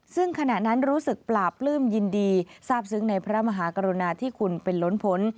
ซึ่งขณะนั้นรู้สึกปราบปลื้มยินดีทราบซึ้งในพระมหากรุณาที่คุณเป็นล้นพ้น